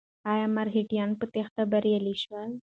ایا مرهټیان په تېښته بریالي شول؟